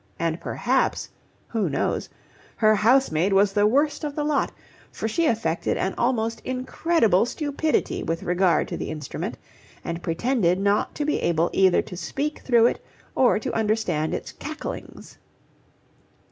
And perhaps who knows? her housemaid was the worst of the lot, for she affected an almost incredible stupidity with regard to the instrument, and pretended not to be able either to speak through it or to understand its cacklings.